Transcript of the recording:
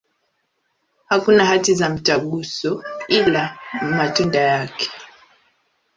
Hakuna hati za mtaguso, ila matunda yake.